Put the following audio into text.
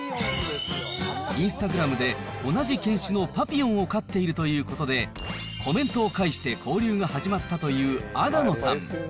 インスタグラムで、同じ犬種のパピヨンを飼っているということで、コメントを介して交流が始まったという阿賀野さん。